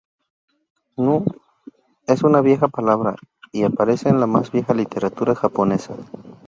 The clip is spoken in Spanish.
Nue es una vieja palabra y aparece en la más vieja literatura japonesa.